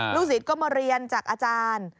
ศิษย์ก็มาเรียนจากอาจารย์